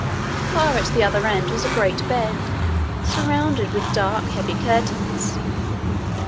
Far at the other end was a great bed, surrounded with dark heavy curtains.